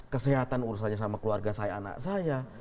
kesehatan urusannya sama keluarga saya anak saya